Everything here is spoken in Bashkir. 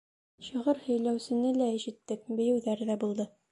Шиғыр һөйләүсене лә ишеттек, бейеүҙәр ҙә булды.